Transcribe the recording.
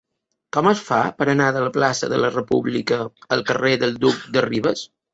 Com es fa per anar de la plaça de la República al carrer del Duc de Rivas?